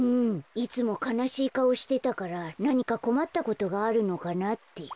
いつもかなしいかおしてたからなにかこまったことがあるのかなって。